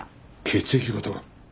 血液型が。